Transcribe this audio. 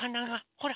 ほら！